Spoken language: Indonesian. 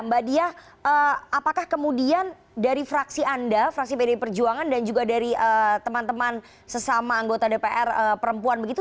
mbak diah apakah kemudian dari fraksi anda fraksi pd perjuangan dan juga dari teman teman sesama anggota dpr perempuan begitu